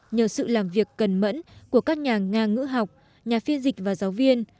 nhờ sự làm việc cẩn mẫn của các nhà nga ngữ học nhà phiên dịch và giáo viên